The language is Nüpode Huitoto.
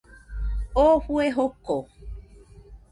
Oo fue joko